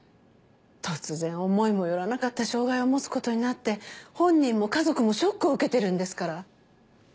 突然思いもよらなかった障害を持つことになって本人も家族もショックを受けてるんですから。